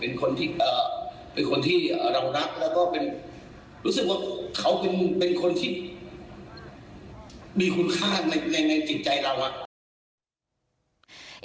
เป็นคนที่เรารักแล้วก็เป็นรู้สึกว่าเขาเป็นเป็นคนที่มีคุณค่าในในจิตใจเราอ่ะ